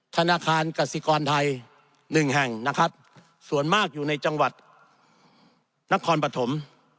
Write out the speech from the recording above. ธนาคารกสิกรไทย๑แห่งส่วนมากอยู่ในจังหวัดนักคอนประถม